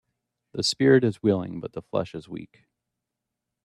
The spirit is willing but the flesh is weak.